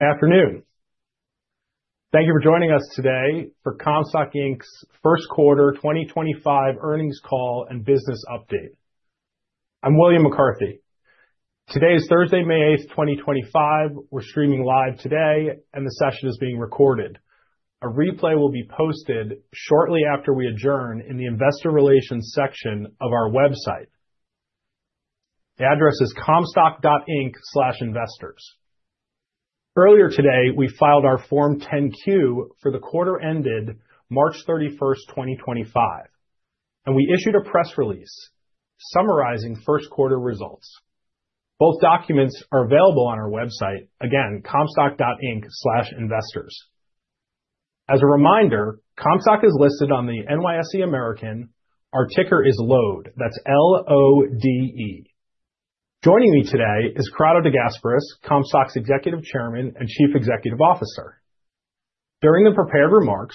Good afternoon. Thank you for joining us today for Comstock's First Quarter 2025 earnings call and business update. I'm William McCarthy. Today is Thursday, May 8th, 2025. We're streaming live today, and the session is being recorded. A replay will be posted shortly after we adjourn in the Investor Relations section of our website. The address is comstock.inc/investors. Earlier today, we filed our Form 10Q for the quarter ended March 31st, 2025, and we issued a press release summarizing first quarter results. Both documents are available on our website, again, comstock.inc/investors. As a reminder, Comstock is listed on the NYSE American. Our ticker is LODE. That's L-O-D-E. Joining me today is Corrado DeGasperis, Comstock's Executive Chairman and Chief Executive Officer. During the prepared remarks,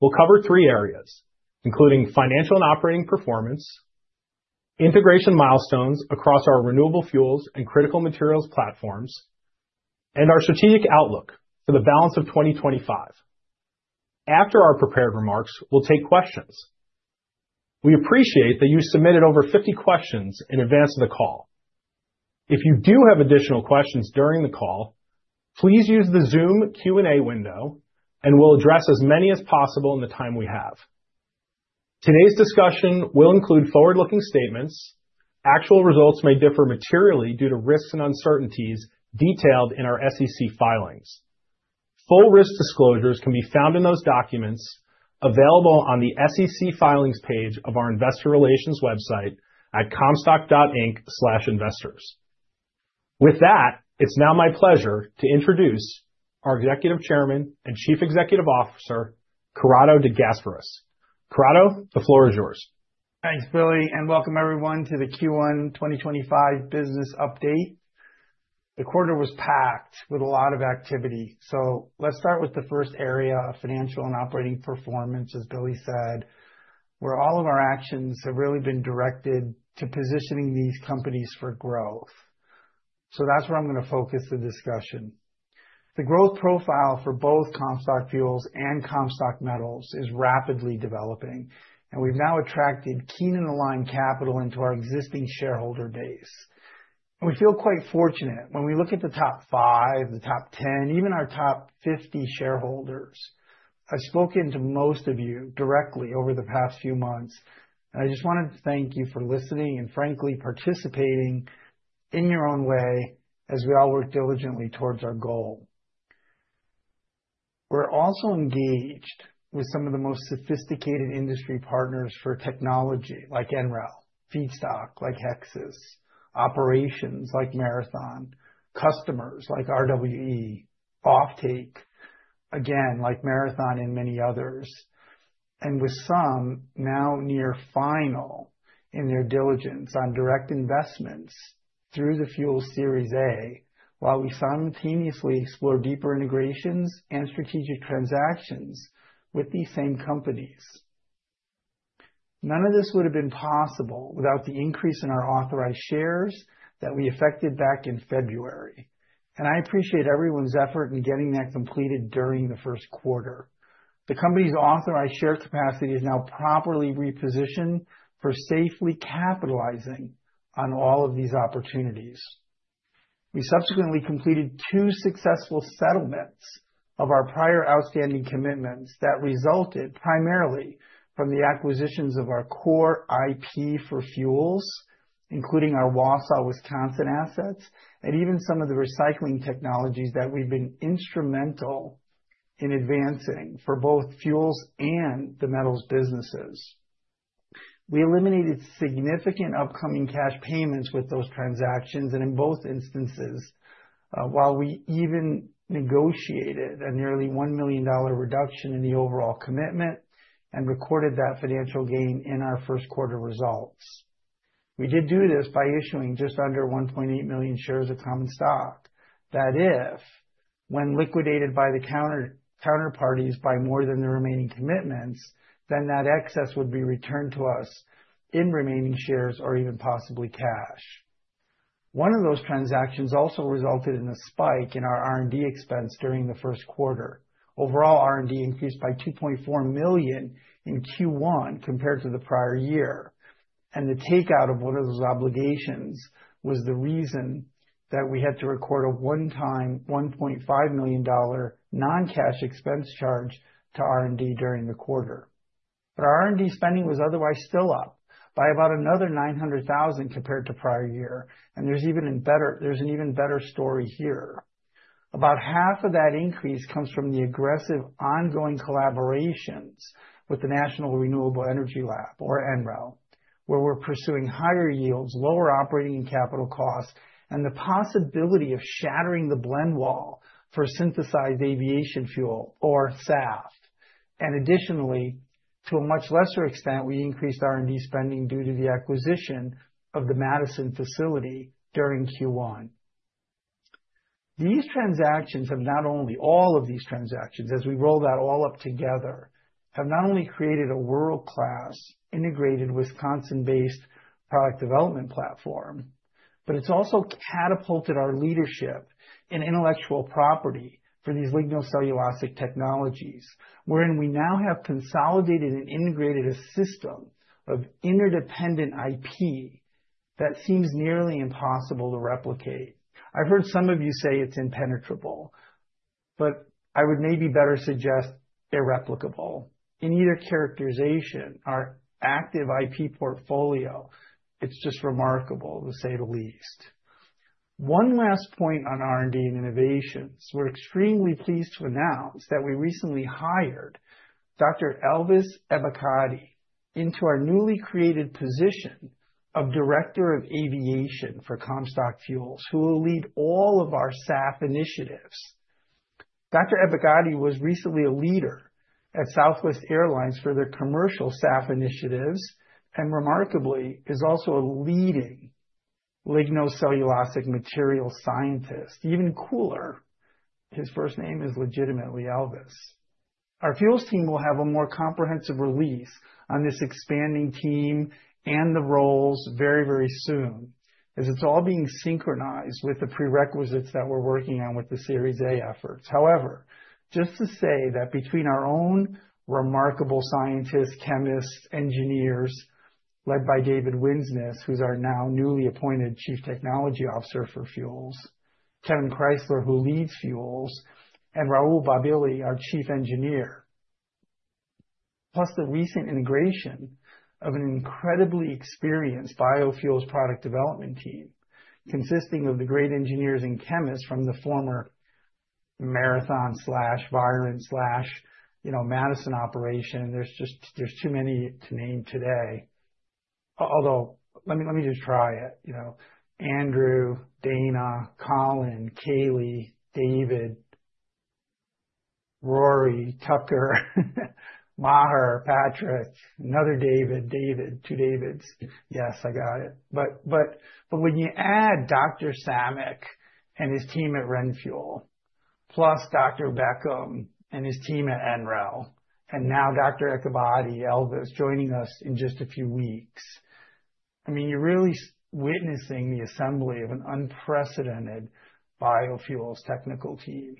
we'll cover three areas, including financial and operating performance, integration milestones across our renewable fuels and critical materials platforms, and our strategic outlook for the balance of 2025. After our prepared remarks, we'll take questions. We appreciate that you submitted over 50 questions in advance of the call. If you do have additional questions during the call, please use the Zoom Q&A window, and we'll address as many as possible in the time we have. Today's discussion will include forward-looking statements. Actual results may differ materially due to risks and uncertainties detailed in our SEC filings. Full risk disclosures can be found in those documents available on the SEC filings page of our Investor Relations website at comstock.inc/investors. With that, it's now my pleasure to introduce our Executive Chairman and Chief Executive Officer, Corrado DeGasperis. Corrado, the floor is yours. Thanks, Billy, and welcome everyone to the Q1 2025 business update. The quarter was packed with a lot of activity. Let's start with the first area, financial and operating performance, as Billy said, where all of our actions have really been directed to positioning these companies for growth. That is where I'm going to focus the discussion. The growth profile for both Comstock Fuels and Comstock Metals is rapidly developing, and we've now attracted keen and aligned capital into our existing shareholder base. We feel quite fortunate when we look at the top five, the top ten, even our top 50 shareholders. I've spoken to most of you directly over the past few months, and I just wanted to thank you for listening and, frankly, participating in your own way as we all work diligently towards our goal. We're also engaged with some of the most sophisticated industry partners for technology, like NREL, feedstock, like Hexas, operations, like Marathon, customers like RWE, offtake, again, like Marathon, and many others, and with some now near final in their diligence on direct investments through the Fuels Series A, while we simultaneously explore deeper integrations and strategic transactions with these same companies. None of this would have been possible without the increase in our authorized shares that we effected back in February, and I appreciate everyone's effort in getting that completed during the first quarter. The company's authorized share capacity is now properly repositioned for safely capitalizing on all of these opportunities. We subsequently completed two successful settlements of our prior outstanding commitments that resulted primarily from the acquisitions of our core IP for Fuels, including our Wausau, Wisconsin assets, and even some of the recycling technologies that we've been instrumental in advancing for both Fuels and the metals businesses. We eliminated significant upcoming cash payments with those transactions, and in both instances, we even negotiated a nearly $1 million reduction in the overall commitment and recorded that financial gain in our first quarter results. We did do this by issuing just under 1.8 million shares of common stock. If, when liquidated by the counterparties, more than the remaining commitments, then that excess would be returned to us in remaining shares or even possibly cash. One of those transactions also resulted in a spike in our R&D expense during the first quarter. Overall, R&D increased by $2.4 million in Q1 compared to the prior year, and the takeout of one of those obligations was the reason that we had to record a one-time $1.5 million non-cash expense charge to R&D during the quarter. Our R&D spending was otherwise still up by about another $900,000 compared to prior year, and there's even a better—there's an even better story here. About half of that increase comes from the aggressive ongoing collaborations with the National Renewable Energy Laboratory, or NREL, where we're pursuing higher yields, lower operating and capital costs, and the possibility of shattering the blend wall for synthesized aviation fuel, or SAF. Additionally, to a much lesser extent, we increased R&D spending due to the acquisition of the Madison facility during Q1. These transactions have not only—all of these transactions, as we roll that all up together—have not only created a world-class, integrated Wisconsin-based product development platform, but it has also catapulted our leadership and intellectual property for these lignocellulosic technologies, wherein we now have consolidated and integrated a system of interdependent IP that seems nearly impossible to replicate. I've heard some of you say it's impenetrable, but I would maybe better suggest irreplicable. In either characterization, our active IP portfolio, it's just remarkable, to say the least. One last point on R&D and innovations. We're extremely pleased to announce that we recently hired Dr. Elvis Ebekade into our newly created position of Director of Aviation for Comstock Fuels, who will lead all of our SAF initiatives. Dr. Ebekade was recently a leader at Southwest Airlines for their commercial SAF initiatives and, remarkably, is also a leading lignocellulosic material scientist. Even cooler, his first name is legitimately Elvis. Our Fuels team will have a more comprehensive release on this expanding team and the roles very, very soon, as it's all being synchronized with the prerequisites that we're working on with the Series A efforts. However, just to say that between our own remarkable scientists, chemists, engineers led by David Winsness, who's our now newly appointed Chief Technology Officer for Fuels, Kevin Kreisler, who leads Fuels, and Rahul Bobbilli, our Chief Engineer, plus the recent integration of an incredibly experienced biofuels product development team consisting of the great engineers and chemists from the former Marathon/Viron/Madison operation. There's just too many to name today. Although, let me—let me just try it. You know, Andrew, Dana, Colin, Kaylee, David, Rory, Tucker, Maher, Patrick, another David, David, two Davids. Yes, I got it. But when you add Dr. Samek and his team at RenFuel, plus Dr. Beckham and his team at NREL, and now Dr. Ebekade, Elvis joining us in just a few weeks, I mean, you're really witnessing the assembly of an unprecedented biofuels technical team.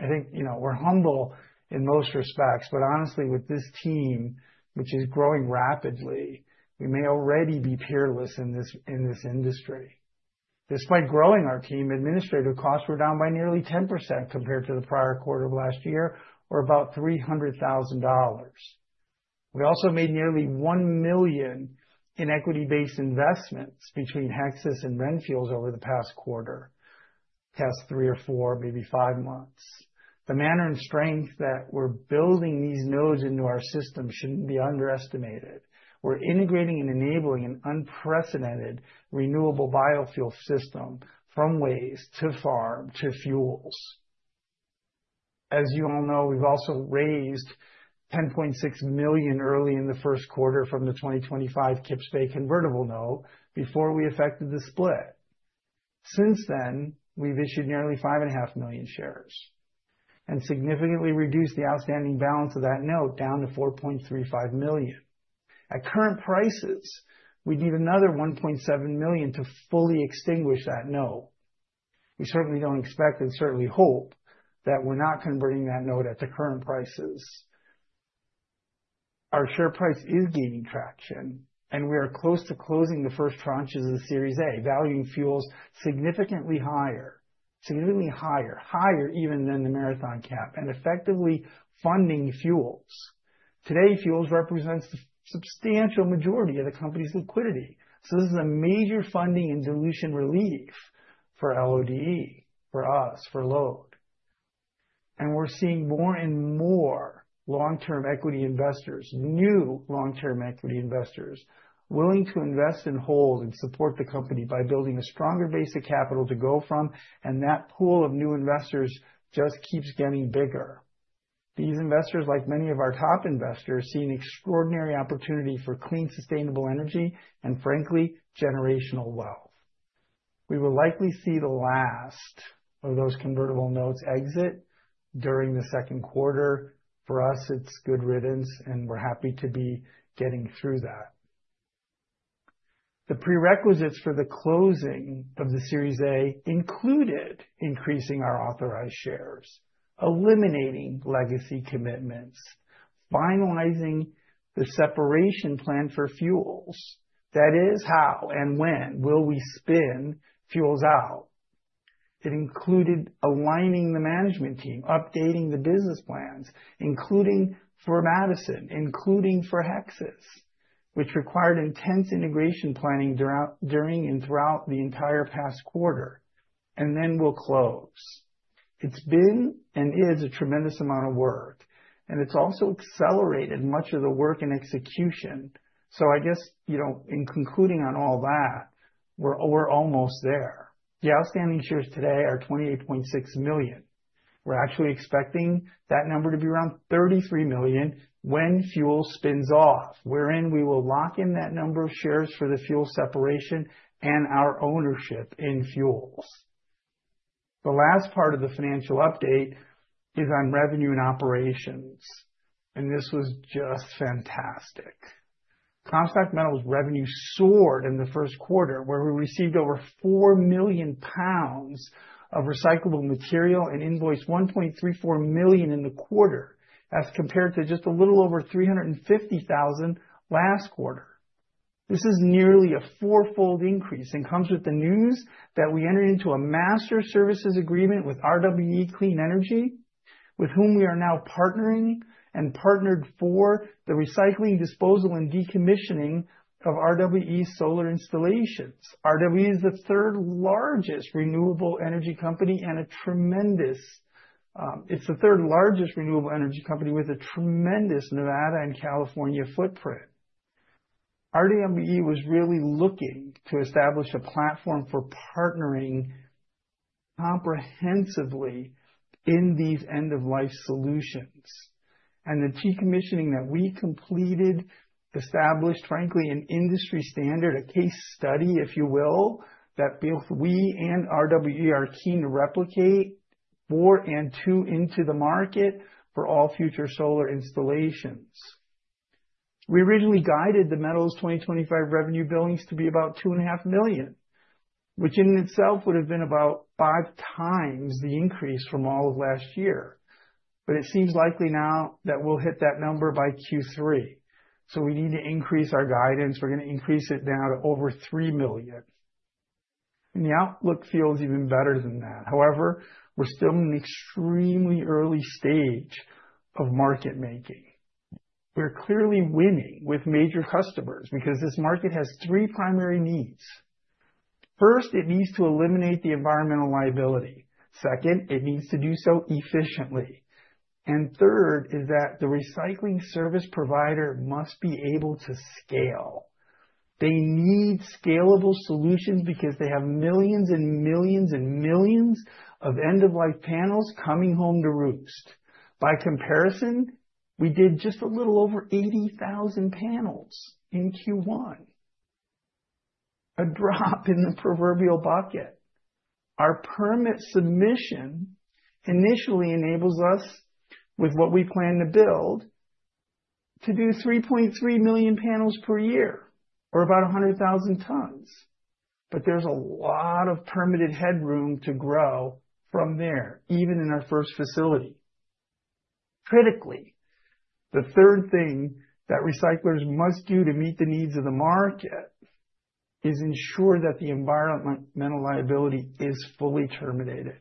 I think, you know, we're humble in most respects, but honestly, with this team, which is growing rapidly, we may already be peerless in this—in this industry. Despite growing, our team administrative costs were down by nearly 10% compared to the prior quarter of last year, or about $300,000. We also made nearly $1 million in equity-based investments between Hexas and RenFuel over the past quarter, past three or four, maybe five months. The manner and strength that we're building these nodes into our system shouldn't be underestimated. We're integrating and enabling an unprecedented renewable biofuel system from waste to farm to fuels. As you all know, we've also raised $10.6 million early in the first quarter from the 2025 Kip space convertible note before we affected the split. Since then, we've issued nearly 5.5 million shares and significantly reduced the outstanding balance of that note down to $4.35 million. At current prices, we'd need another $1.7 million to fully extinguish that note. We certainly don't expect and certainly hope that we're not converting that note at the current prices. Our share price is gaining traction, and we are close to closing the first tranches of the Series A, valuing Fuels significantly higher, significantly higher, higher even than the Marathon cap and effectively funding Fuels. Today, Fuels represents the substantial majority of the company's liquidity. This is a major funding and dilution relief for L.O.D.E, for us, for LODE. We're seeing more and more long-term equity investors, new long-term equity investors, willing to invest and hold and support the company by building a stronger base of capital to go from, and that pool of new investors just keeps getting bigger. These investors, like many of our top investors, are seeing extraordinary opportunity for clean, sustainable energy, and frankly, generational wealth. We will likely see the last of those convertible notes exit during the second quarter. For us, it's good riddance, and we're happy to be getting through that. The prerequisites for the closing of the Series A included increasing our authorized shares, eliminating legacy commitments, finalizing the separation plan for Fuels. That is, how and when will we spin Fuels out? It included aligning the management team, updating the business plans, including for Madison, including for Hexas, which required intense integration planning during and throughout the entire past quarter, and then we'll close. It's been and is a tremendous amount of work, and it's also accelerated much of the work and execution. I guess, you know, in concluding on all that, we're—we're almost there. The outstanding shares today are 28.6 million. We're actually expecting that number to be around 33 million when Fuels spins off, wherein we will lock in that number of shares for the Fuels separation and our ownership in Fuels. The last part of the financial update is on revenue and operations, and this was just fantastic. Comstock Metals' revenue soared in the first quarter, where we received over 4 million pounds of recyclable material and invoiced $1.34 million in the quarter, as compared to just a little over $350,000 last quarter. This is nearly a four-fold increase and comes with the news that we entered into a master services agreement with RWE Clean Energy, with whom we are now partnering and partnered for the recycling, disposal, and decommissioning of RWE's solar installations. RWE is the third largest renewable energy company and a tremendous—it's the third largest renewable energy company with a tremendous Nevada and California footprint. RWE was really looking to establish a platform for partnering comprehensively in these end-of-life solutions, and the decommissioning that we completed established, frankly, an industry standard, a case study, if you will, that both we and RWE are keen to replicate for and to into the market for all future solar installations. We originally guided the metals' 2025 revenue billings to be about $2.5 million, which in itself would have been about five times the increase from all of last year, but it seems likely now that we'll hit that number by Q3. We need to increase our guidance. We're going to increase it now to over $3 million. The outlook feels even better than that. However, we're still in an extremely early stage of market making. We're clearly winning with major customers because this market has three primary needs. First, it needs to eliminate the environmental liability. Second, it needs to do so efficiently. Third is that the recycling service provider must be able to scale. They need scalable solutions because they have millions and millions and millions of end-of-life panels coming home to roost. By comparison, we did just a little over 80,000 panels in Q1, a drop in the proverbial bucket. Our permit submission initially enables us, with what we plan to build, to do 3.3 million panels per year, or about 100,000 tons. There is a lot of permitted headroom to grow from there, even in our first facility. Critically, the third thing that recyclers must do to meet the needs of the market is ensure that the environmental liability is fully terminated.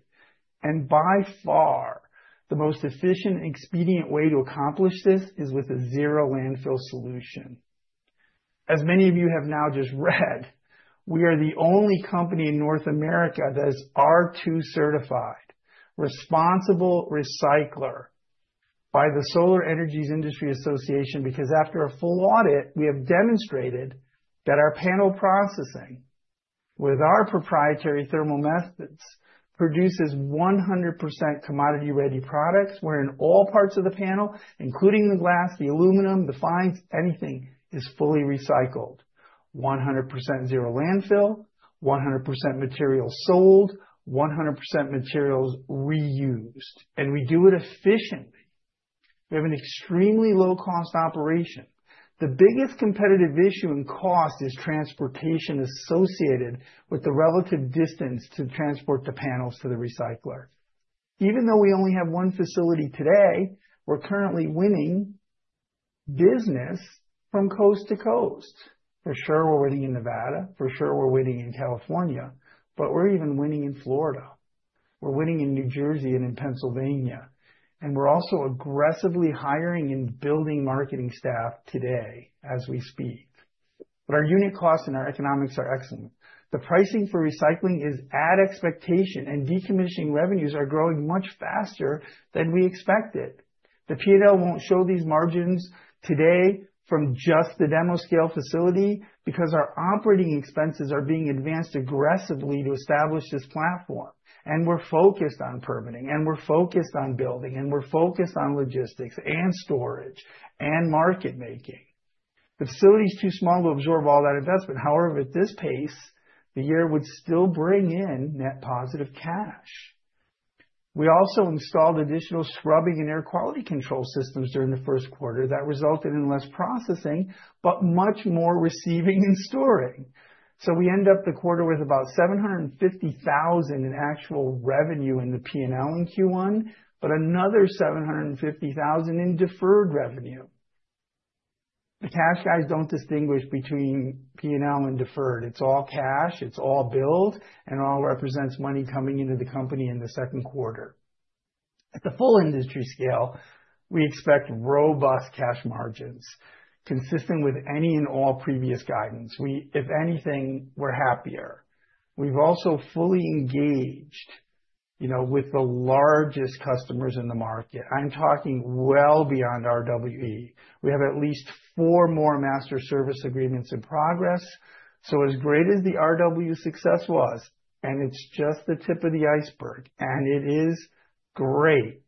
By far, the most efficient and expedient way to accomplish this is with a zero landfill solution. As many of you have now just read, we are the only company in North America that is R2 certified, responsible recycler by the Solar Energies Industry Association because after a full audit, we have demonstrated that our panel processing with our proprietary thermal methods produces 100% commodity-ready products, wherein all parts of the panel, including the glass, the aluminum, the fines, anything is fully recycled. 100% zero landfill, 100% materials sold, 100% materials reused, and we do it efficiently. We have an extremely low-cost operation. The biggest competitive issue in cost is transportation associated with the relative distance to transport the panels to the recycler. Even though we only have one facility today, we're currently winning business from coast to coast. For sure, we're winning in Nevada. For sure, we're winning in California, but we're even winning in Florida. We're winning in New Jersey and in Pennsylvania, and we're also aggressively hiring and building marketing staff today as we speak. Our unit costs and our economics are excellent. The pricing for recycling is at expectation, and decommissioning revenues are growing much faster than we expected. The P&L will not show these margins today from just the demo scale facility because our operating expenses are being advanced aggressively to establish this platform, and we're focused on permitting, and we're focused on building, and we're focused on logistics and storage and market making. The facility is too small to absorb all that investment. However, at this pace, the year would still bring in net positive cash. We also installed additional scrubbing and air quality control systems during the first quarter that resulted in less processing, but much more receiving and storing. We end up the quarter with about $750,000 in actual revenue in the P&L in Q1, but another $750,000 in deferred revenue. The cash guys do not distinguish between P&L and deferred. It is all cash, it is all bills, and it all represents money coming into the company in the second quarter. At the full industry scale, we expect robust cash margins consistent with any and all previous guidance. If anything, we are happier. We have also fully engaged, you know, with the largest customers in the market. I am talking well beyond RWE. We have at least four more master service agreements in progress. As great as the RWE success was, and it is just the tip of the iceberg, and it is great.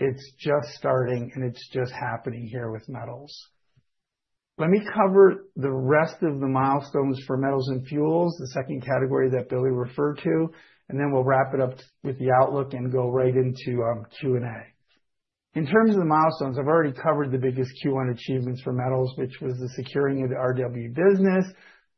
It is just starting, and it is just happening here with metals. Let me cover the rest of the milestones for metals and fuels, the second category that Billy referred to, and then we'll wrap it up with the outlook and go right into Q&A. In terms of the milestones, I've already covered the biggest Q1 achievements for metals, which was the securing of the RWE business,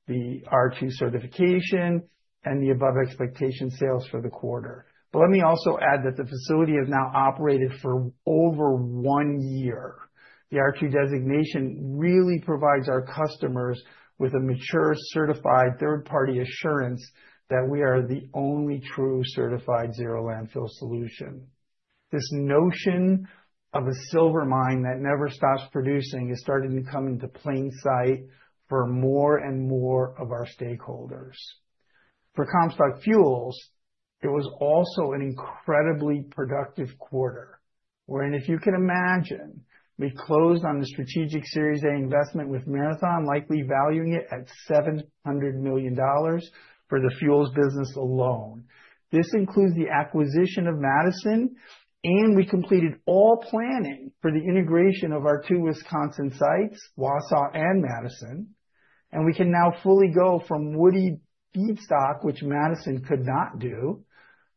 the R2 certification, and the above-expectation sales for the quarter. Let me also add that the facility has now operated for over one year. The R2 designation really provides our customers with a mature certified third-party assurance that we are the only true certified zero landfill solution. This notion of a silver mine that never stops producing is starting to come into plain sight for more and more of our stakeholders. For Comstock Fuels, it was also an incredibly productive quarter, wherein if you can imagine, we closed on the strategic Series A investment with Marathon, likely valuing it at $700 million for the fuels business alone. This includes the acquisition of Madison, and we completed all planning for the integration of our two Wisconsin sites, Wausau and Madison, and we can now fully go from woody feedstock, which Madison could not do,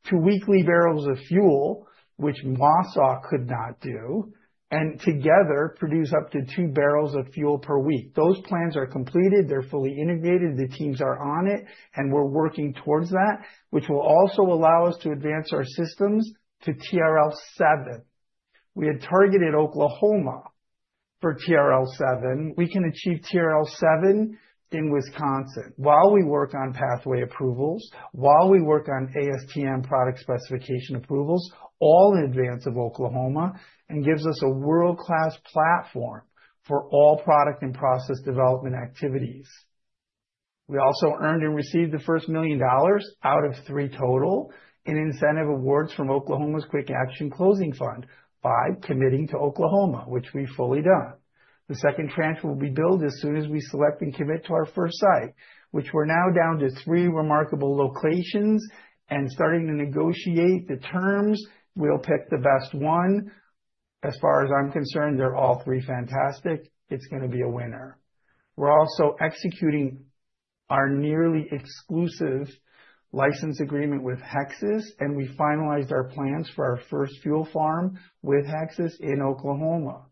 to weekly barrels of fuel, which Wausau could not do, and together produce up to two barrels of fuel per week. Those plans are completed. They are fully integrated. The teams are on it, and we are working towards that, which will also allow us to advance our systems to TRL-7. We had targeted Oklahoma for TRL-7. We can achieve TRL-7 in Wisconsin while we work on pathway approvals, while we work on ASTM product specification approvals, all in advance of Oklahoma, and gives us a world-class platform for all product and process development activities. We also earned and received the first $1 million out of $3 million total in incentive awards from Oklahoma's Quick Action Closing Fund by committing to Oklahoma, which we've fully done. The second tranche will be billed as soon as we select and commit to our first site, which we're now down to three remarkable locations and starting to negotiate the terms. We'll pick the best one. As far as I'm concerned, they're all three fantastic. It's going to be a winner. We're also executing our nearly exclusive license agreement with Hexas, and we finalized our plans for our first fuel farm with Hexas in Oklahoma.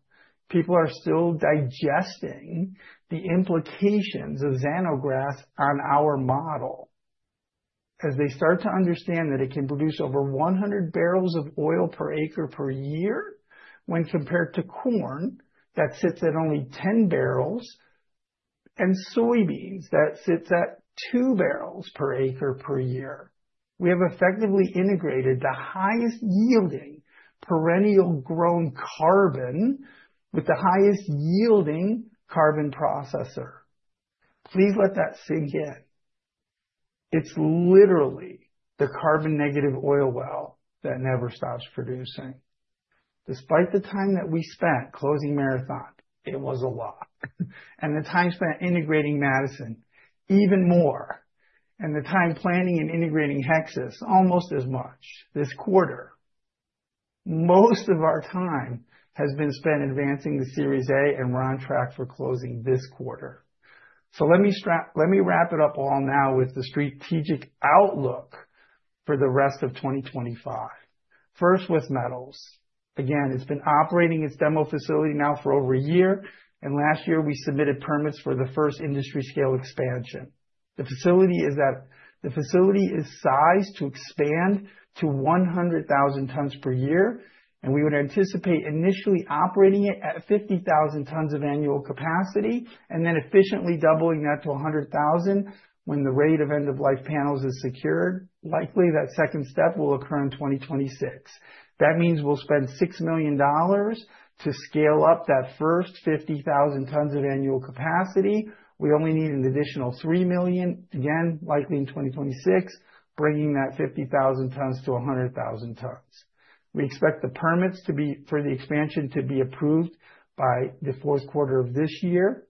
People are still digesting the implications of Zanograss on our model as they start to understand that it can produce over 100 barrels of oil per acre per year when compared to corn that sits at only 10 barrels and soybeans that sits at two barrels per acre per year. We have effectively integrated the highest yielding perennial grown carbon with the highest yielding carbon processor. Please let that sink in. It's literally the carbon negative oil well that never stops producing. Despite the time that we spent closing Marathon, it was a lot. The time spent integrating Madison, even more. The time planning and integrating Hexas, almost as much. This quarter, most of our time has been spent advancing the Series A and we're on track for closing this quarter. Let me wrap it up all now with the strategic outlook for the rest of 2025. First, with metals. Again, it's been operating its demo facility now for over a year, and last year we submitted permits for the first industry scale expansion. The facility is sized to expand to 100,000 tons per year, and we would anticipate initially operating it at 50,000 tons of annual capacity and then efficiently doubling that to 100,000 when the rate of end-of-life panels is secured. Likely, that second step will occur in 2026. That means we'll spend $6 million to scale up that first 50,000 tons of annual capacity. We only need an additional $3 million, again, likely in 2026, bringing that 50,000 tons to 100,000 tons. We expect the permits for the expansion to be approved by the fourth quarter of this year.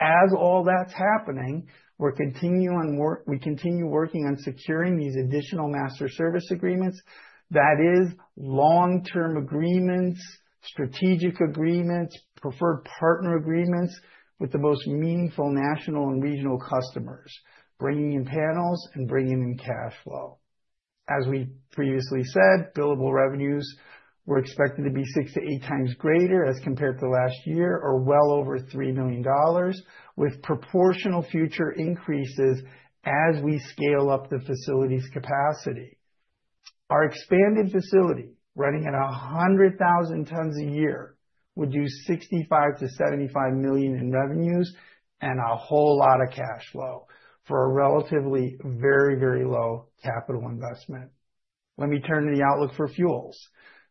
As all that's happening, we're continuing on work. We continue working on securing these additional master service agreements. That is, long-term agreements, strategic agreements, preferred partner agreements with the most meaningful national and regional customers, bringing in panels and bringing in cash flow. As we previously said, billable revenues were expected to be six to eight times greater as compared to last year or well over $3 million, with proportional future increases as we scale up the facility's capacity. Our expanded facility running at 100,000 tons a year would do $65 million-$75 million in revenues and a whole lot of cash flow for a relatively very, very low capital investment. Let me turn to the outlook for fuels.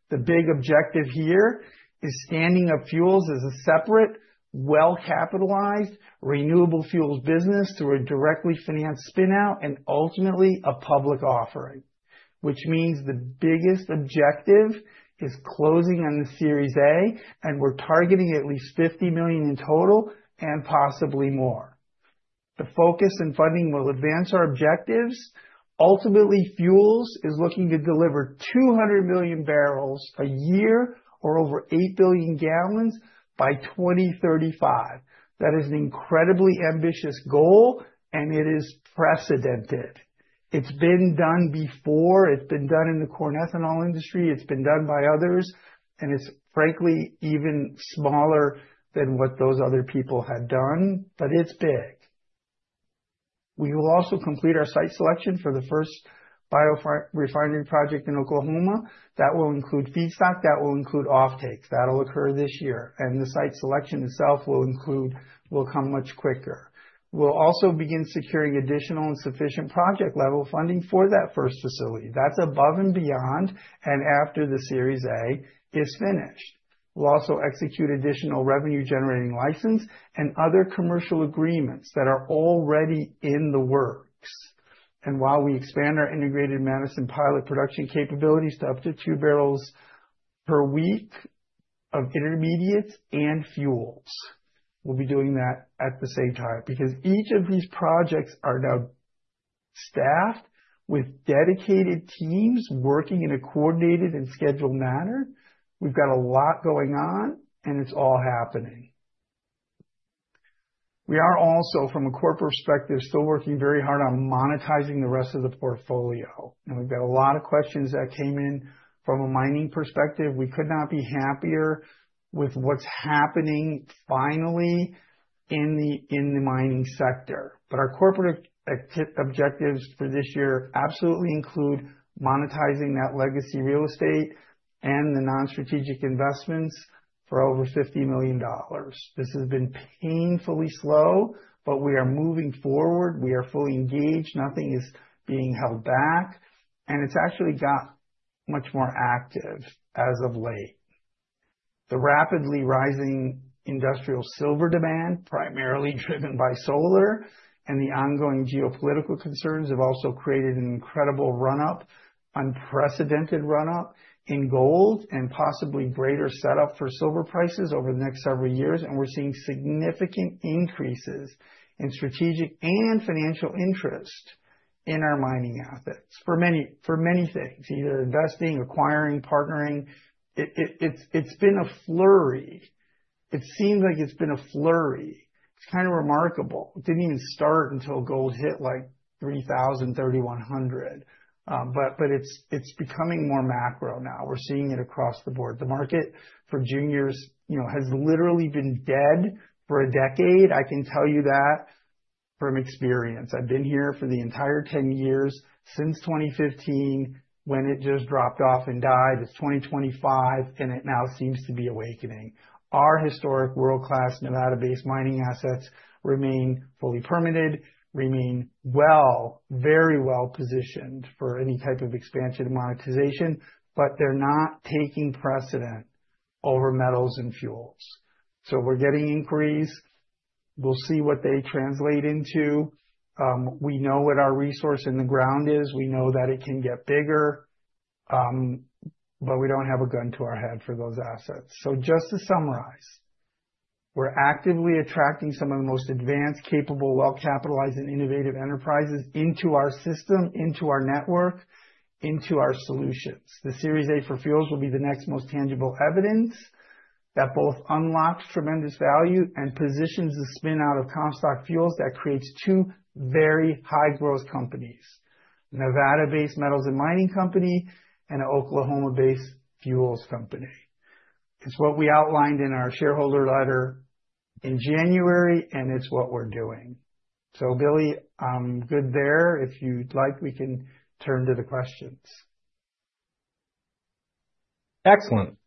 The big objective here is standing up fuels as a separate, well-capitalized renewable fuels business through a directly financed spinout and ultimately a public offering, which means the biggest objective is closing on the Series A, and we're targeting at least $50 million in total and possibly more. The focus and funding will advance our objectives. Ultimately, fuels is looking to deliver 200 million barrels a year or over 8 billion gallons by 2035. That is an incredibly ambitious goal, and it is precedented. It's been done before. It's been done in the corn ethanol industry. It's been done by others, and it's frankly even smaller than what those other people had done, but it's big. We will also complete our site selection for the first bio refinery project in Oklahoma. That will include feedstock. That will include offtakes. That'll occur this year, and the site selection itself will include, will come much quicker. We'll also begin securing additional and sufficient project-level funding for that first facility. That's above and beyond and after the Series A is finished. We'll also execute additional revenue-generating license and other commercial agreements that are already in the works. While we expand our integrated Madison pilot production capabilities to up to two barrels per week of intermediates and fuels, we'll be doing that at the same time because each of these projects are now staffed with dedicated teams working in a coordinated and scheduled manner. We've got a lot going on, and it's all happening. We are also, from a corporate perspective, still working very hard on monetizing the rest of the portfolio, and we've got a lot of questions that came in from a mining perspective. We could not be happier with what's happening finally in the mining sector, but our corporate objectives for this year absolutely include monetizing that legacy real estate and the non-strategic investments for over $50 million. This has been painfully slow, but we are moving forward. We are fully engaged. Nothing is being held back, and it's actually got much more active as of late. The rapidly rising industrial silver demand, primarily driven by solar, and the ongoing geopolitical concerns have also created an incredible run-up, unprecedented run-up in gold and possibly greater setup for silver prices over the next several years, and we're seeing significant increases in strategic and financial interest in our mining assets for many things, either investing, acquiring, partnering. It's been a flurry. It seems like it's been a flurry. It's kind of remarkable. It didn't even start until gold hit like $3,000, $3,100, but it's becoming more macro now. We're seeing it across the board. The market for juniors, you know, has literally been dead for a decade. I can tell you that from experience. I've been here for the entire 10 years since 2015 when it just dropped off and died. It's 2025, and it now seems to be awakening. Our historic world-class Nevada-based mining assets remain fully permitted, remain well, very well positioned for any type of expansion and monetization, but they're not taking precedent over metals and fuels. We're getting inquiries. We'll see what they translate into. We know what our resource in the ground is. We know that it can get bigger, but we don't have a gun to our head for those assets. Just to summarize, we're actively attracting some of the most advanced, capable, well-capitalized, and innovative enterprises into our system, into our network, into our solutions. The Series A for fuels will be the next most tangible evidence that both unlocks tremendous value and positions the spin-out of Comstock Fuels that creates two very high-growth companies: a Nevada-based metals and mining company and an Oklahoma-based fuels company. It is what we outlined in our shareholder letter in January, and it is what we are doing. Billy, I am good there. If you would like, we can turn to the questions. Excellent.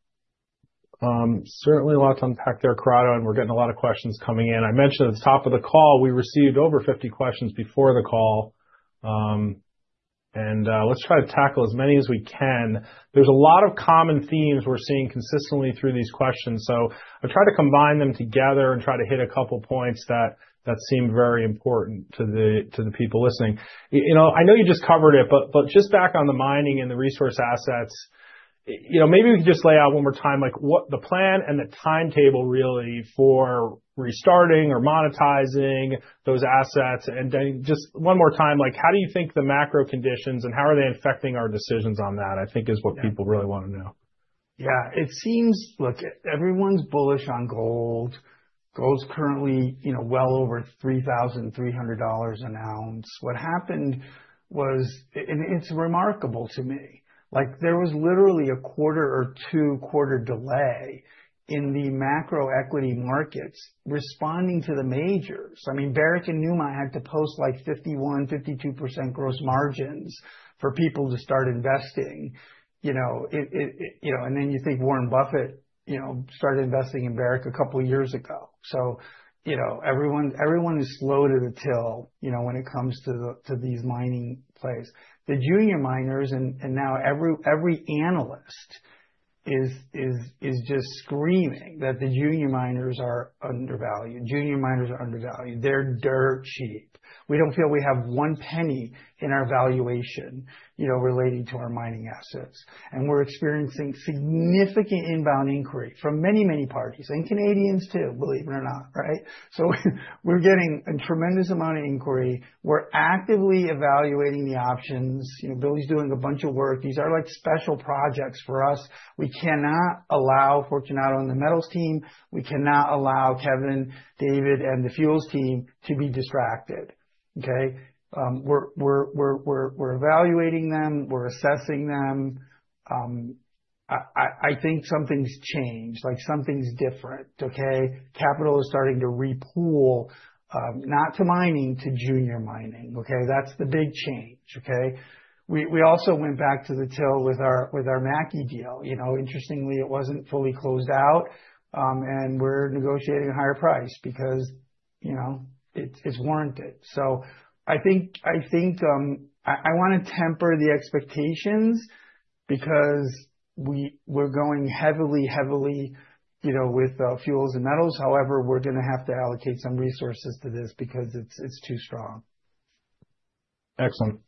Certainly a lot to unpack there, Corrado, and we are getting a lot of questions coming in. I mentioned at the top of the call, we received over 50 questions before the call, and let's try to tackle as many as we can. There's a lot of common themes we're seeing consistently through these questions, so I've tried to combine them together and try to hit a couple points that seem very important to the people listening. You know, I know you just covered it, but just back on the mining and the resource assets, you know, maybe we could just lay out one more time, like what the plan and the timetable really for restarting or monetizing those assets. And then just one more time, like how do you think the macro conditions and how are they affecting our decisions on that, I think is what people really want to know. Yeah, it seems, look, everyone's bullish on gold. Gold's currently, you know, well over $3,300 an ounce. What happened was, and it's remarkable to me, like there was literally a quarter or two-quarter delay in the macro equity markets responding to the majors. I mean, Barrick and Newmont had to post like 51%, 52% gross margins for people to start investing. You know, you know, and then you think Warren Buffett, you know, started investing in Barrick a couple years ago. You know, everyone is slow to the till, you know, when it comes to these mining plays. The junior miners and now every analyst is just screaming that the junior miners are undervalued. Junior miners are undervalued. They're dirt cheap. We don't feel we have one penny in our valuation, you know, relating to our mining assets. And we're experiencing significant inbound inquiry from many, many parties and Canadians too, believe it or not, right? We're getting a tremendous amount of inquiry. We're actively evaluating the options. You know, Billy's doing a bunch of work. These are like special projects for us. We cannot allow Fortunato and the metals team. We cannot allow Kevin, David, and the fuels team to be distracted. Okay? We're evaluating them. We're assessing them. I think something's changed. Like something's different. Okay? Capital is starting to repool, not to mining, to junior mining. Okay? That's the big change. Okay? We also went back to the till with our MACI deal. You know, interestingly, it wasn't fully closed out, and we're negotiating a higher price because, you know, it's warranted. I think I want to temper the expectations because we're going heavily, heavily, you know, with fuels and metals. However, we're going to have to allocate some resources to this because it's too strong. Excellent.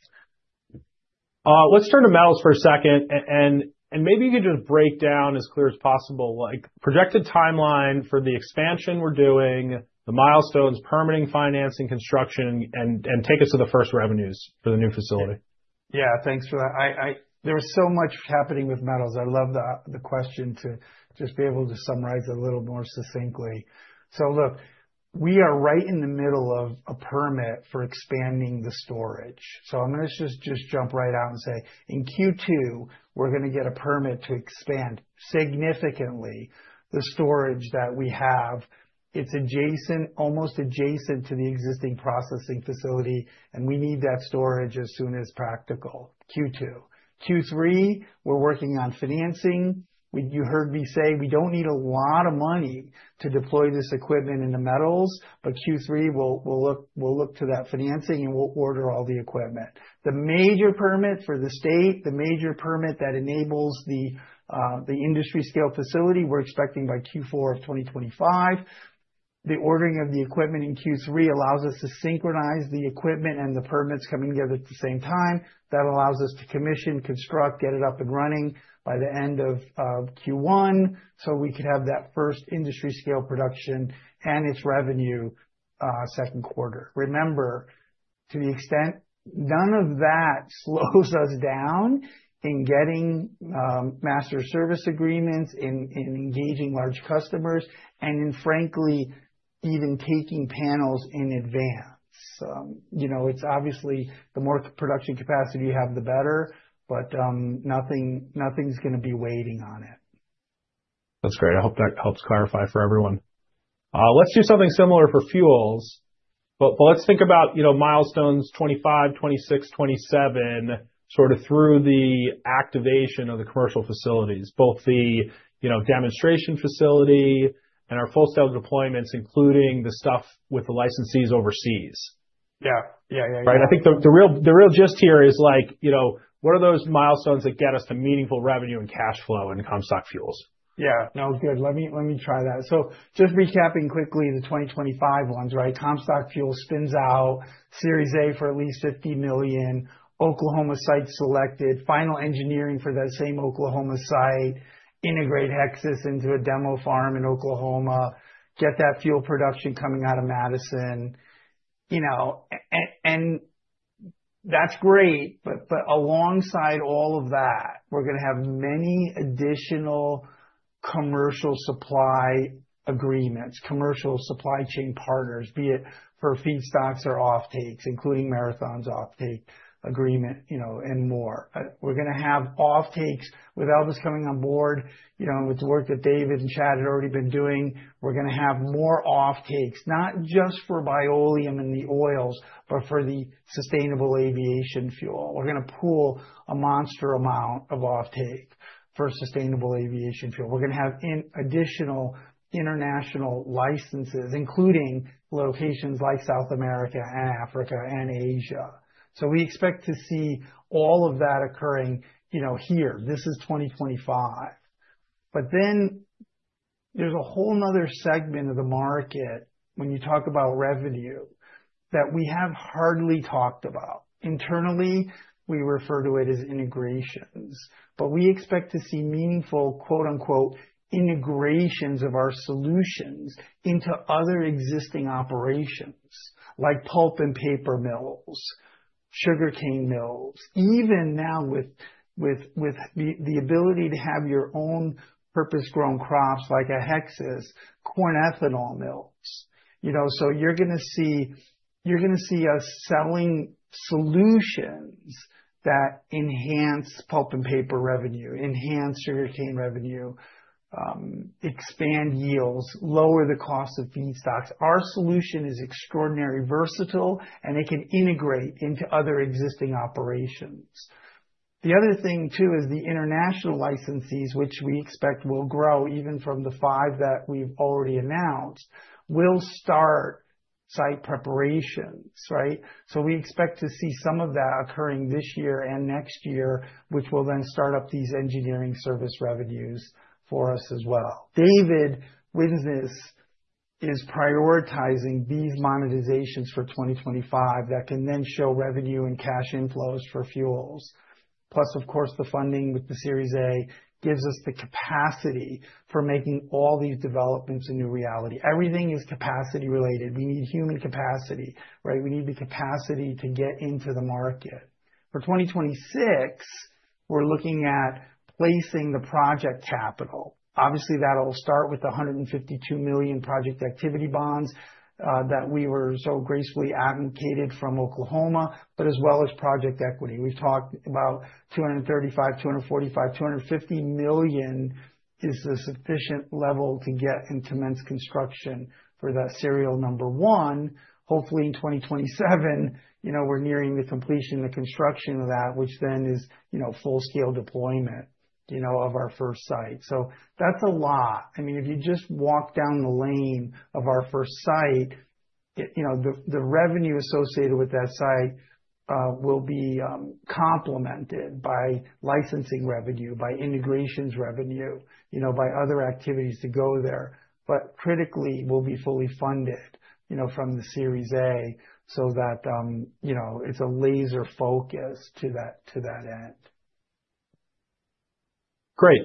Let's turn to metals for a second, and maybe you can just break down as clear as possible, like projected timeline for the expansion we're doing, the milestones, permitting, financing, construction, and take us to the first revenues for the new facility. Yeah, thanks for that. There was so much happening with metals. I love the question to just be able to summarize it a little more succinctly. Look, we are right in the middle of a permit for expanding the storage. I'm going to just jump right out and say, in Q2, we're going to get a permit to expand significantly the storage that we have. It's adjacent, almost adjacent to the existing processing facility, and we need that storage as soon as practical, Q2. Q3, we're working on financing. You heard me say we don't need a lot of money to deploy this equipment in the metals, but Q3, we'll look to that financing and we'll order all the equipment. The major permit for the state, the major permit that enables the industry scale facility, we're expecting by Q4 of 2025. The ordering of the equipment in Q3 allows us to synchronize the equipment and the permits coming together at the same time. That allows us to commission, construct, get it up and running by the end of Q1 so we could have that first industry scale production and its revenue second quarter. Remember, to the extent, none of that slows us down in getting master service agreements, in engaging large customers, and in, frankly, even taking panels in advance. You know, it's obviously the more production capacity you have, the better, but nothing's going to be waiting on it. That's great. I hope that helps clarify for everyone. Let's do something similar for fuels, but let's think about, you know, milestones 2025, 2026, 2027, sort of through the activation of the commercial facilities, both the, you know, demonstration facility and our full-scale deployments, including the stuff with the licensees overseas. Yeah. Right? I think the real gist here is like, you know, what are those milestones that get us to meaningful revenue and cash flow in Comstock Fuels? Yeah. No, good. Let me try that. So just recapping quickly the 2025 ones, right? Comstock Fuels spins out Series A for at least $50 million. Oklahoma site selected, final engineering for that same Oklahoma site, integrate Hexas into a demo farm in Oklahoma, get that fuel production coming out of Madison. You know, and that's great, but alongside all of that, we're going to have many additional commercial supply agreements, commercial supply chain partners, be it for feedstocks or offtakes, including Marathon's offtake agreement, you know, and more. We're going to have offtakes with Elvis coming on board, you know, with the work that David and Chad had already been doing. We're going to have more offtakes, not just for biolum and the oils, but for the sustainable aviation fuel. We're going to pool a monster amount of offtake for sustainable aviation fuel. We're going to have additional international licenses, including locations like South America and Africa and Asia. We expect to see all of that occurring, you know, here. This is 2025. There is a whole nother segment of the market when you talk about revenue that we have hardly talked about. Internally, we refer to it as integrations, but we expect to see meaningful, quote unquote, integrations of our solutions into other existing operations like pulp and paper mills, sugarcane mills, even now with the ability to have your own purpose-grown crops like a Hexas, corn ethanol mills. You know, you are going to see us selling solutions that enhance pulp and paper revenue, enhance sugarcane revenue, expand yields, lower the cost of feedstocks. Our solution is extraordinarily versatile, and it can integrate into other existing operations. The other thing too is the international licensees, which we expect will grow even from the five that we have already announced, will start site preparations, right? We expect to see some of that occurring this year and next year, which will then start up these engineering service revenues for us as well. David Winsness is prioritizing these monetization's for 2025 that can then show revenue and cash inflows for fuels. Plus, of course, the funding with the Series A gives us the capacity for making all these developments a new reality. Everything is capacity related. We need human capacity, right? We need the capacity to get into the market. For 2026, we're looking at placing the project capital. Obviously, that'll start with the $152 million project activity bonds that we were so gracefully abdicated from Oklahoma, but as well as project equity. We've talked about $235 million, $245 million, $250 million is the sufficient level to get into immense construction for that serial number one. Hopefully in 2027, you know, we're nearing the completion of the construction of that, which then is, you know, full-scale deployment, you know, of our first site. That's a lot. I mean, if you just walk down the lane of our first site, you know, the revenue associated with that site will be complemented by licensing revenue, by integrations revenue, you know, by other activities to go there. Critically, we'll be fully funded, you know, from the Series A so that, you know, it's a laser focus to that end. Great.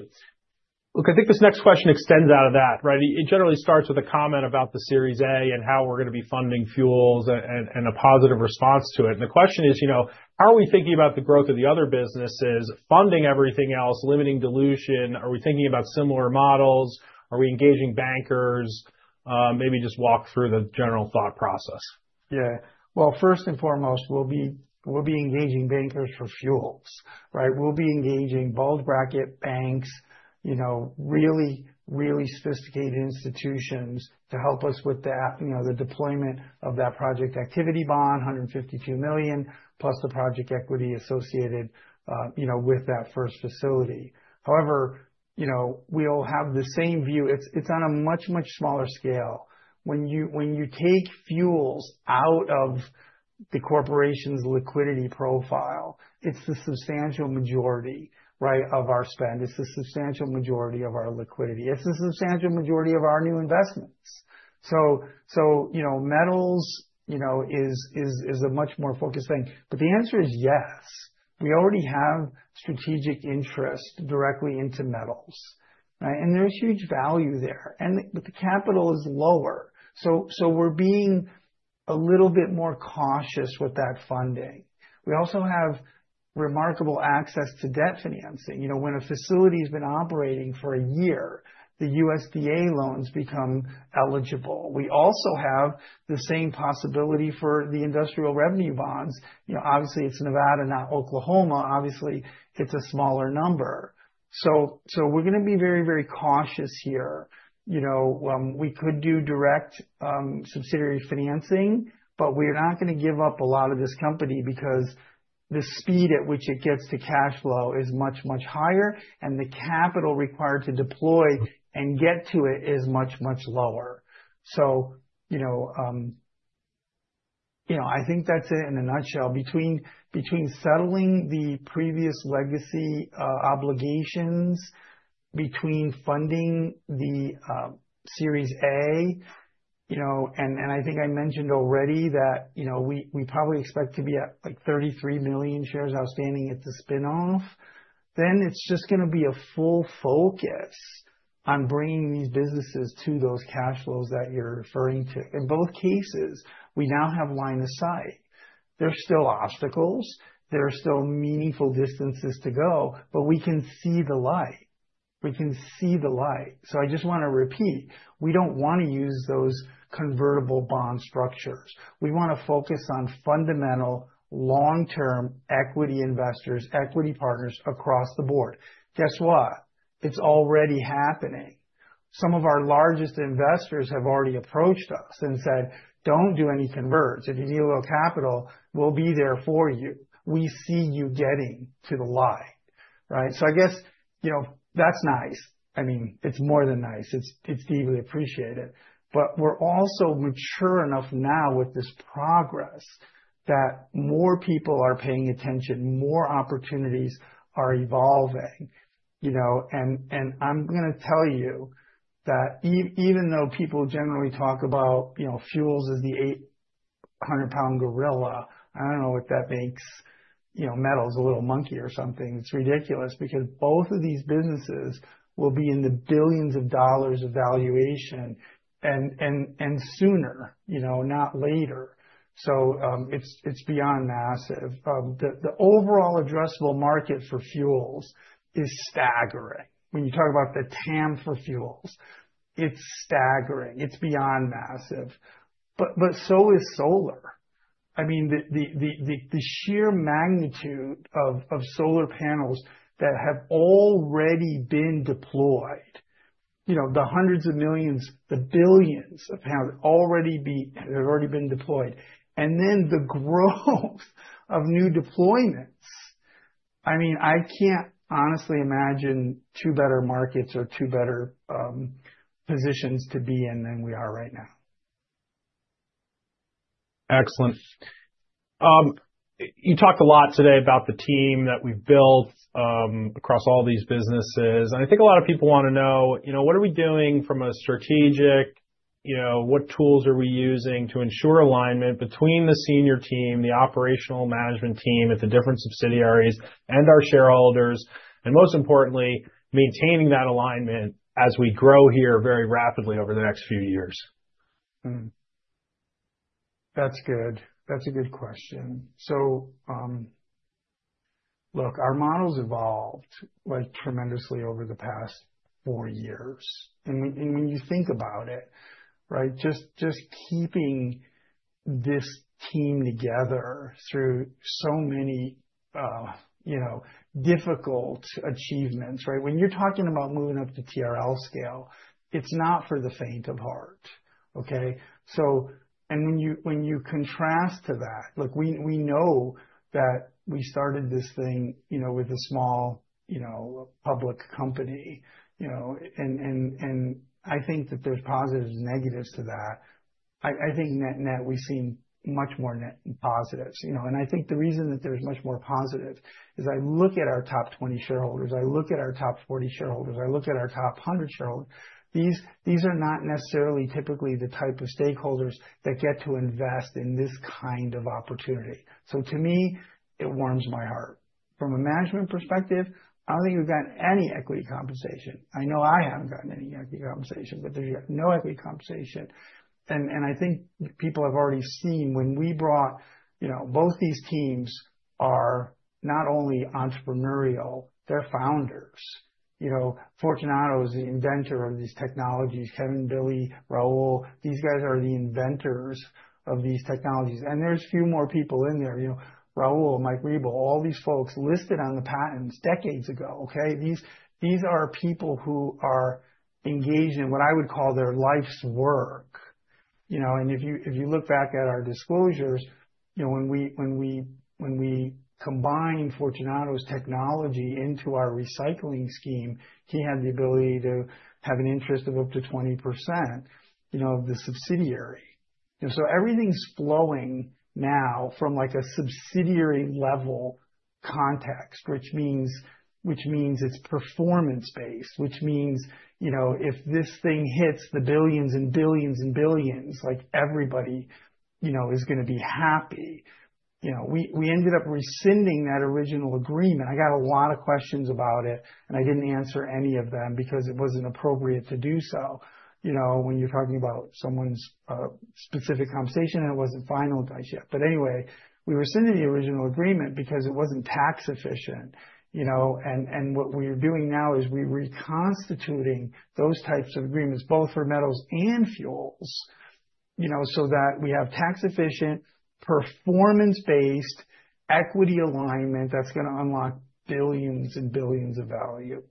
Look, I think this next question extends out of that, right? It generally starts with a comment about the Series A and how we're going to be funding fuels and a positive response to it. The question is, you know, how are we thinking about the growth of the other businesses, funding everything else, limiting dilution? Are we thinking about similar models? Are we engaging bankers? Maybe just walk through the general thought process. Yeah. First and foremost, we'll be engaging bankers for fuels, right? We'll be engaging bulge bracket banks, you know, really, really sophisticated institutions to help us with that, the deployment of that project activity bond, $152 million, plus the project equity associated with that first facility. However, we'll have the same view. It's on a much, much smaller scale. When you take fuels out of the corporation's liquidity profile, it's the substantial majority, right, of our spend. It's the substantial majority of our liquidity. It's the substantial majority of our new investments. You know, metals is a much more focused thing. But the answer is yes. We already have strategic interest directly into metals, right? And there's huge value there. The capital is lower. We are being a little bit more cautious with that funding. We also have remarkable access to debt financing. You know, when a facility has been operating for a year, the USDA loans become eligible. We also have the same possibility for the industrial revenue bonds. Obviously, it is Nevada, not Oklahoma. Obviously, it is a smaller number. We are going to be very, very cautious here. You know, we could do direct subsidiary financing, but we are not going to give up a lot of this company because the speed at which it gets to cash flow is much, much higher, and the capital required to deploy and get to it is much, much lower. You know, I think that is it in a nutshell. Between settling the previous legacy obligations, between funding the Series A, you know, and I think I mentioned already that, you know, we probably expect to be at like 33 million shares outstanding at the spinoff. It is just going to be a full focus on bringing these businesses to those cash flows that you're referring to. In both cases, we now have line of sight. There are still obstacles. There are still meaningful distances to go, but we can see the light. We can see the light. I just want to repeat, we do not want to use those convertible bond structures. We want to focus on fundamental long-term equity investors, equity partners across the board. Guess what? It is already happening. Some of our largest investors have already approached us and said, "Do not do any converts. If you need a little capital, we will be there for you. We see you getting to the light. Right? I guess, you know, that's nice. I mean, it's more than nice. It's deeply appreciated. We're also mature enough now with this progress that more people are paying attention, more opportunities are evolving. You know, I'm going to tell you that even though people generally talk about, you know, fuels as the 800-pound gorilla, I don't know what that makes, you know, metals, a little monkey or something. It's ridiculous because both of these businesses will be in the billions of dollars of valuation, and sooner, not later. It's beyond massive. The overall addressable market for fuels is staggering. When you talk about the TAM for fuels, it's staggering. It's beyond massive. But so is solar. I mean, the sheer magnitude of solar panels that have already been deployed, you know, the hundreds of millions, the billions of panels already, they've already been deployed. And then the growth of new deployments. I mean, I can't honestly imagine two better markets or two better positions to be in than we are right now. Excellent. You talked a lot today about the team that we've built across all these businesses. I think a lot of people want to know, you know, what are we doing from a strategic, you know, what tools are we using to ensure alignment between the senior team, the operational management team at the different subsidiaries and our shareholders, and most importantly, maintaining that alignment as we grow here very rapidly over the next few years? That's good. That's a good question. Look, our models evolved like tremendously over the past four years. And when you think about it, right, just keeping this team together through so many, you know, difficult achievements, right? When you're talking about moving up to TRL scale, it's not for the faint of heart, okay? When you contrast to that, look, we know that we started this thing, you know, with a small, you know, public company, you know, and I think that there's positives and negatives to that. I think net-net we've seen much more net positives, you know, and I think the reason that there's much more positive is I look at our top 20 shareholders, I look at our top 40 shareholders, I look at our top 100 shareholders. These are not necessarily typically the type of stakeholders that get to invest in this kind of opportunity. To me, it warms my heart. From a management perspective, I don't think we've gotten any equity compensation. I know I haven't gotten any equity compensation, but there's no equity compensation. I think people have already seen when we brought, you know, both these teams are not only entrepreneurial, they're founders. You know, Fortunato is the inventor of these technologies. Kevin, Billy, Rahul, these guys are the inventors of these technologies. There's a few more people in there, you know, Rahul, Mike Rebel, all these folks listed on the patents decades ago, okay? These are people who are engaged in what I would call their life's work, you know, and if you look back at our disclosures, you know, when we combined Fortunato's technology into our recycling scheme, he had the ability to have an interest of up to 20% of the subsidiary. You know, so everything's flowing now from like a subsidiary level context, which means it's performance-based, which means, you know, if this thing hits the billions and billions and billions, like everybody, you know, is going to be happy. We ended up rescinding that original agreement. I got a lot of questions about it, and I didn't answer any of them because it wasn't appropriate to do so. You know, when you're talking about someone's specific conversation, it wasn't finalized yet. Anyway, we were sending the original agreement because it was not tax efficient, you know, and what we are doing now is we are reconstituting those types of agreements, both for metals and fuels, you know, so that we have tax efficient, performance-based equity alignment that is going to unlock billions and billions of value.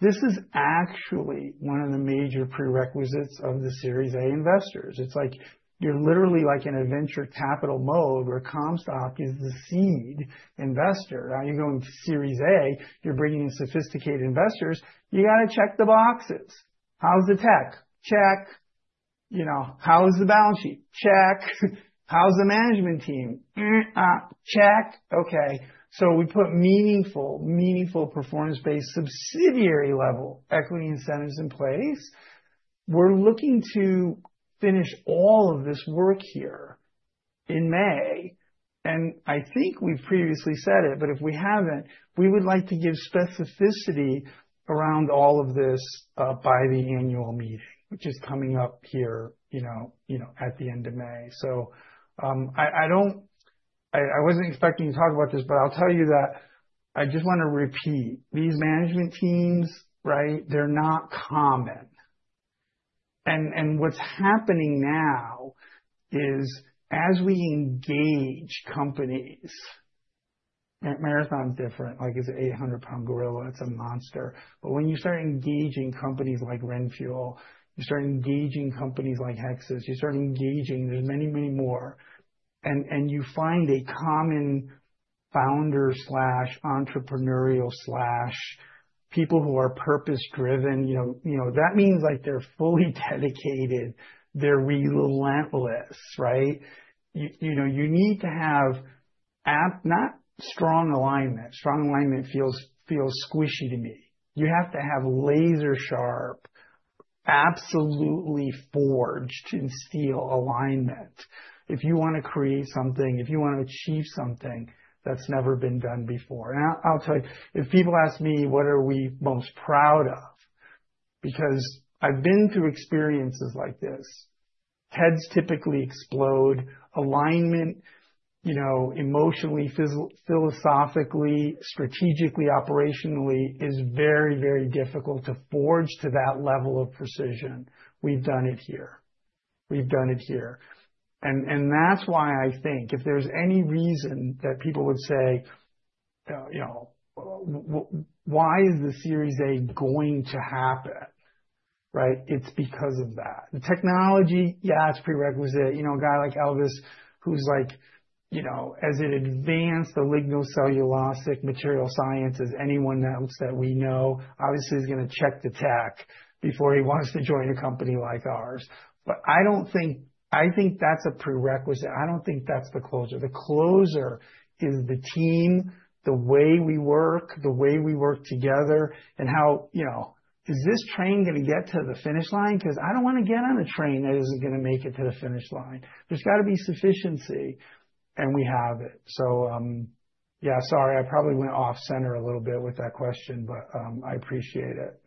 This is actually one of the major prerequisites of the Series A investors. It is like you are literally like in a venture capital mode where Comstock is the seed investor. Now you are going to Series A, you are bringing in sophisticated investors, you got to check the boxes. How is the tech? Check. You know, how is the balance sheet? Check. How is the management team? Check. Okay. So we put meaningful, meaningful performance-based subsidiary level equity incentives in place. We are looking to finish all of this work here in May. I think we've previously said it, but if we haven't, we would like to give specificity around all of this by the annual meeting, which is coming up here at the end of May. I don't, I wasn't expecting to talk about this, but I'll tell you that I just want to repeat these management teams, right? They're not common. What's happening now is as we engage companies, Marathon's different, like it's an 800-pound gorilla, it's a monster. When you start engaging companies like RenFuel, you start engaging companies like Hexas, you start engaging, there's many, many more. You find a common founder slash entrepreneurial slash people who are purpose-driven, you know, that means like they're fully dedicated, they're relentless, right? You need to have, not strong alignment. Strong alignment feels squishy to me. You have to have laser-sharp, absolutely forged in steel alignment if you want to create something, if you want to achieve something that's never been done before. I'll tell you, if people ask me, what are we most proud of? Because I've been through experiences like this. Heads typically explode. Alignment, you know, emotionally, philosophically, strategically, operationally is very, very difficult to forge to that level of precision. We've done it here. We've done it here. That's why I think if there's any reason that people would say, you know, why is the Series A going to happen? Right? It's because of that. The technology, yeah, it's prerequisite. You know, a guy like Elvis, who's like, you know, as advanced the lignocellulosic material sciences, anyone else that we know obviously is going to check the tech before he wants to join a company like ours. I don't think, I think that's a prerequisite. I don't think that's the closure. The closure is the team, the way we work, the way we work together, and how, you know, is this train going to get to the finish line? Because I don't want to get on a train that isn't going to make it to the finish line. There's got to be sufficiency, and we have it. Yeah, sorry, I probably went off center a little bit with that question, but I appreciate it.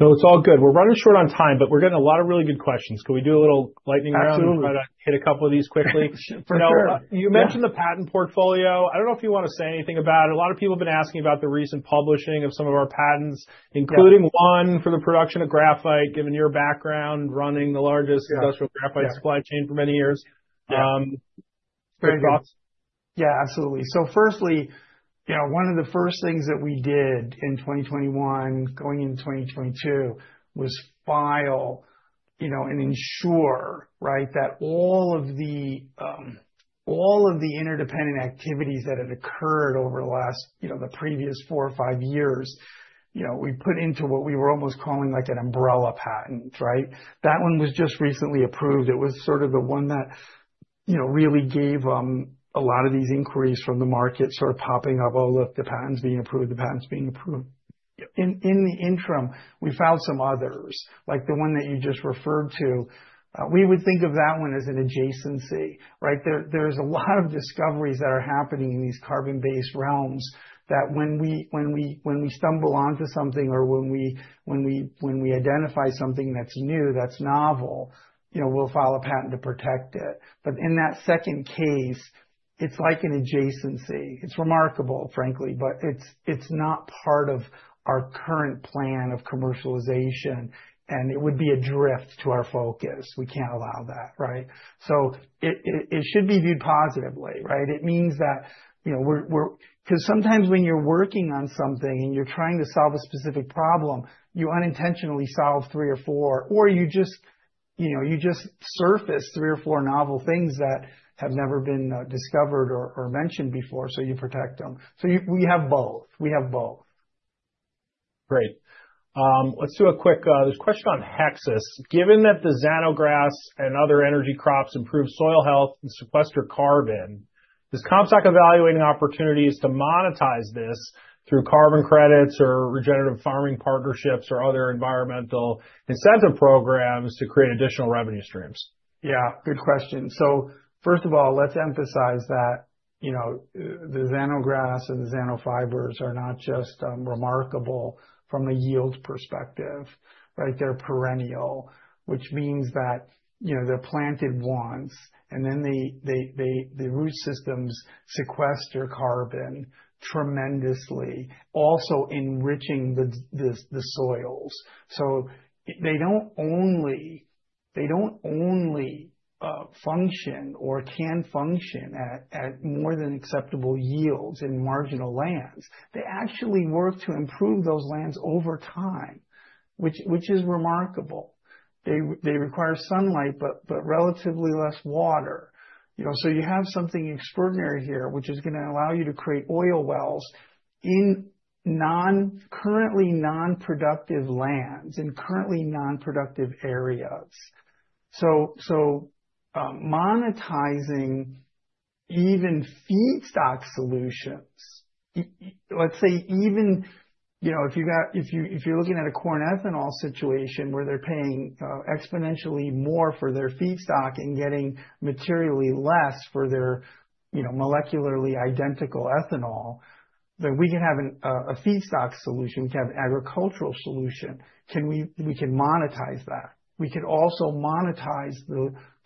No, it's all good. We're running short on time, but we're getting a lot of really good questions. Can we do a little lightning round? Absolutely. Hit a couple of these quickly. For sure. You mentioned the patent portfolio. I do not know if you want to say anything about it. A lot of people have been asking about the recent publishing of some of our patents, including one for the production of graphite, given your background running the largest industrial graphite supply chain for many years. Very good. Yeah, absolutely. Firstly, you know, one of the first things that we did in 2021, going into 2022, was file, you know, and ensure, right, that all of the interdependent activities that had occurred over the last, you know, the previous four or five years, you know, we put into what we were almost calling like an umbrella patent, right? That one was just recently approved. It was sort of the one that, you know, really gave them a lot of these inquiries from the market sort of popping up, oh, look, the patent's being approved, the patent's being approved. In the interim, we found some others, like the one that you just referred to. We would think of that one as an adjacency, right? There are a lot of discoveries that are happening in these carbon-based realms that when we stumble onto something or when we identify something that's new, that's novel, you know, we'll file a patent to protect it. In that second case, it's like an adjacency. It's remarkable, frankly, but it's not part of our current plan of commercialization, and it would be a drift to our focus. We can't allow that, right? It should be viewed positively, right? It means that, you know, we're, because sometimes when you're working on something and you're trying to solve a specific problem, you unintentionally solve three or four, or you just, you know, you just surface three or four novel things that have never been discovered or mentioned before, so you protect them. So we have both. We have both. Great. Let's do a quick, there's a question on Hexas. Given that the Zanograss and other energy crops improve soil health and sequester carbon, is Comstock evaluating opportunities to monetize this through carbon credits or regenerative farming partnerships or other environmental incentive programs to create additional revenue streams? Yeah, good question. So first of all, let's emphasize that, you know, the Zanograss and the Zanofibers are not just remarkable from a yield perspective, right? They're perennial, which means that, you know, they're planted once and then they, the root systems sequester carbon tremendously, also enriching the soils. They don't only function or can function at more than acceptable yields in marginal lands. They actually work to improve those lands over time, which is remarkable. They require sunlight, but relatively less water, you know, so you have something extraordinary here, which is going to allow you to create oil wells in currently non-productive lands and currently non-productive areas. Monetizing even feedstock solutions, let's say even, you know, if you got, if you're looking at a corn ethanol situation where they're paying exponentially more for their feedstock and getting materially less for their, you know, molecularly identical ethanol, then we can have a feedstock solution, we can have an agricultural solution. We can monetize that. We could also monetize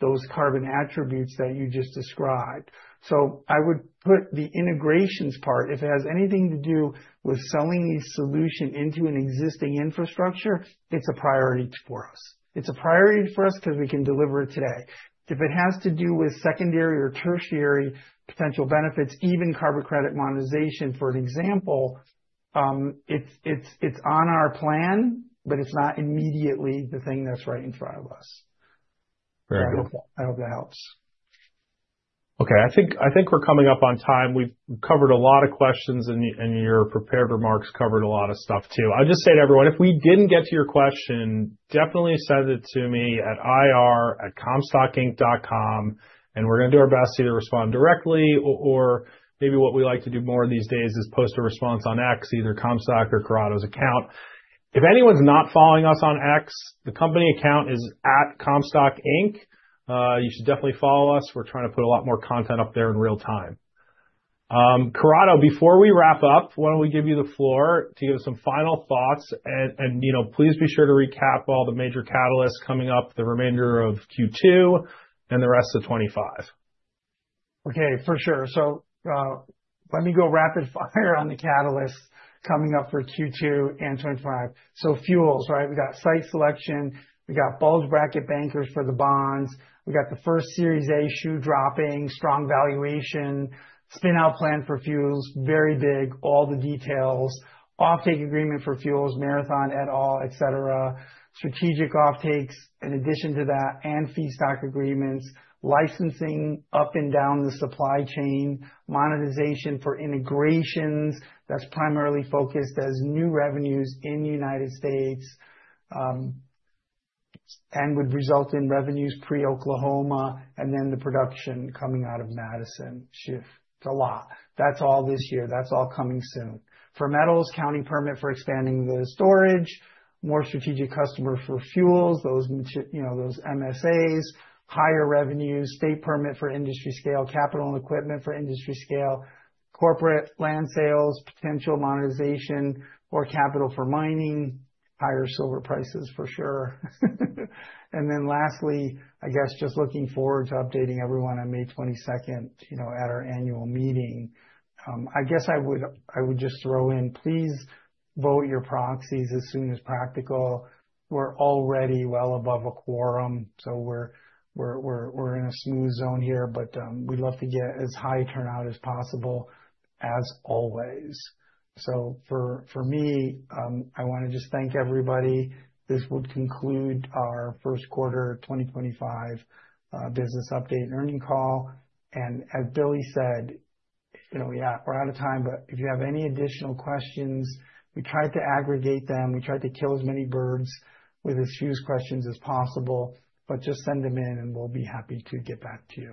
those carbon attributes that you just described. I would put the integrations part, if it has anything to do with selling these solutions into an existing infrastructure, it's a priority for us. It's a priority for us because we can deliver it today. If it has to do with secondary or tertiary potential benefits, even carbon credit monetization, for an example, it's on our plan, but it's not immediately the thing that's right in front of us. Very good. I hope that helps. Okay, I think we're coming up on time. We've covered a lot of questions and your prepared remarks covered a lot of stuff too. I'll just say to everyone, if we didn't get to your question, definitely send it to me at ir@comstockinc.com and we're going to do our best to either respond directly or maybe what we like to do more of these days is post a response on X, either Comstock or Corrado's account. If anyone's not following us on X, the company account is @comstockinc. You should definitely follow us. We're trying to put a lot more content up there in real time. Corrado, before we wrap up, why don't we give you the floor to give us some final thoughts and, you know, please be sure to recap all the major catalysts coming up the remainder of Q2 and the rest of 2025. Okay, for sure. Let me go rapid fire on the catalysts coming up for Q2 and 2025. Fuels, right? We got site selection, we got bulge bracket bankers for the bonds, we got the first Series A shoe dropping, strong valuation, spin-out plan for fuels, very big, all the details, offtake agreement for fuels, Marathon et al., et cetera, strategic offtakes in addition to that, and feedstock agreements, licensing up and down the supply chain, monetization for integrations that's primarily focused as new revenues in the United States and would result in revenues pre-Oklahoma and then the production coming out of Madison. It's a lot. That's all this year. That's all coming soon. For metals, county permit for expanding the storage, more strategic customer for fuels, those, you know, those MSAs, higher revenues, state permit for industry scale, capital and equipment for industry scale, corporate land sales, potential monetization or capital for mining, higher silver prices for sure. Lastly, I guess just looking forward to updating everyone on May 22nd, you know, at our annual meeting. I guess I would just throw in, please vote your proxies as soon as practical. We're already well above a quorum, so we're in a smooth zone here, but we'd love to get as high turnout as possible as always. For me, I want to just thank everybody. This would conclude our first quarter 2025 business update and earning call. As Billy said, you know, yeah, we're out of time, but if you have any additional questions, we tried to aggregate them. We tried to kill as many birds with as few questions as possible, but just send them in and we'll be happy to get back to you.